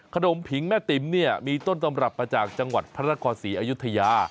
ผิงแม่ติ๋มเนี่ยมีต้นตำรับมาจากจังหวัดพระนครศรีอยุธยา